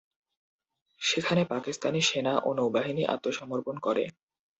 সেখানে পাকিস্তানি সেনা ও নৌবাহিনী আত্মসমর্পণ করে।